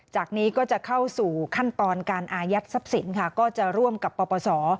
จากนี้ก็จะเข้าสู่ขั้นตอนการอายัดทรัพย์สินค่ะก็จะร่วมกับปปศ